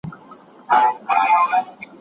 اې د الله رسوله! کاشکي موږ ته يوه قصه وکړې.